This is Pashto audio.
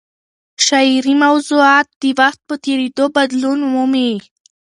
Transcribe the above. شعري موضوعات د وخت په تېرېدو بدلون مومي.